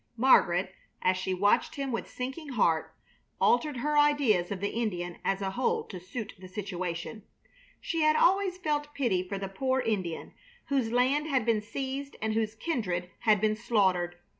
Margaret, as she watched him with sinking heart, altered her ideas of the Indian as a whole to suit the situation. She had always felt pity for the poor Indian, whose land had been seized and whose kindred had been slaughtered.